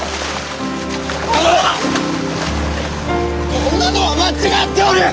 こんなのは間違っておる！